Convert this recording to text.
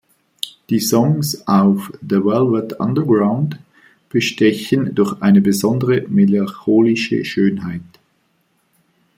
Die Songs auf "The Velvet Underground" bestechen durch eine besondere melancholische Schönheit.